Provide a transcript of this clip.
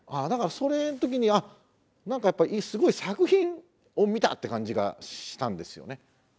だからそれの時にああ何かやっぱすごい作品を見たって感じがしたんですよね。